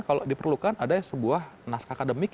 kalau diperlukan ada sebuah naskah akademik